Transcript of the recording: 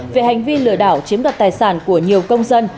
về hành vi lừa đảo chiếm đoạt tài sản của nhiều công dân